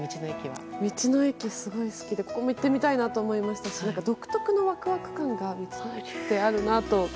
道の駅、すごい好きでここも行ってみたいなと思いましたし独特の空気感が道の駅にはあるなと。